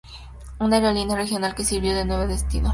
Una aerolínea regional que sirvió a nueve destinos.